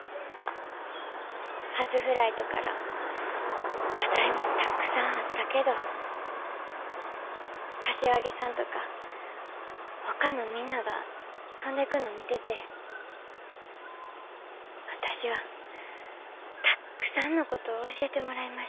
初フライトから課題もたくさんあったけど柏木さんとかほかのみんなが飛んでくの見てて私はたっくさんのことを教えてもらいました。